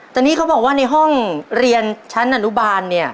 แต่นี่เขาบอกว่าในห้องเรียนชั้นอนุบาลเนี่ย